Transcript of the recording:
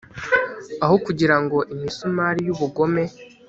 Aho kugirango imisumari yubugome